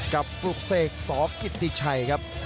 กับปลูกเสกสพกิธิชัยครับ